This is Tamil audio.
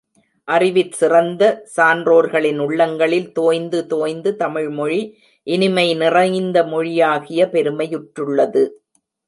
அறிவிற் சிறந்த சான்றோர்களின் உள்ளங்களில் தோய்ந்து தோய்ந்து, தமிழ்மொழி இனிமை நிறைந்த மொழியாகிய பெருமையுற்றுள்ளது.